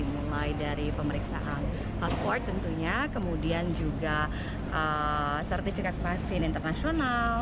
mulai dari pemeriksaan hotsport tentunya kemudian juga sertifikat vaksin internasional